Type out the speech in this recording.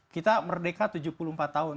kita merdeka tujuh puluh empat tahun